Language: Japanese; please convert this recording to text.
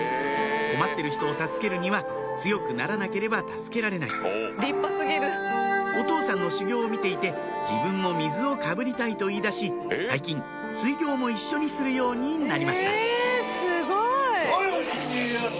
困ってる人を助けるには強くならなければ助けられないお父さんの修行を見ていて自分も水をかぶりたいと言いだし最近水行も一緒にするようになりましたすごい！